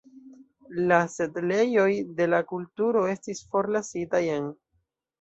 La setlejoj de la kulturo estis forlasitaj en.